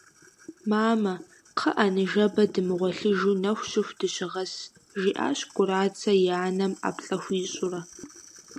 «Мамэ, кхъыӏэ, ныжэбэ дымыгъуэлъыжу, нэху щыху дыщыгъэс» жиӏащ Кӏурацэ и анэм ӏэплӏэ хуищӏурэ.